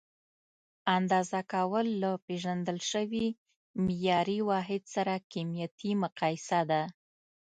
اندازه کول له پیژندل شوي معیاري واحد سره کمیتي مقایسه ده.